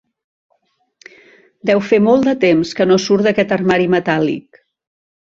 Deu fer molt de temps que no surt d'aquest armari metàl·lic.